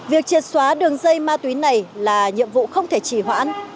việc triệt xóa đường dây ma túy này là nhiệm vụ không thể chỉ hoãn